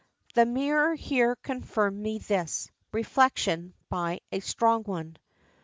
The mirror here confirm'd me this Reflection, by a strong one. XIII.